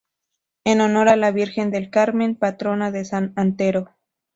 En honor a la Virgen del Carmen, patrona de San Antero.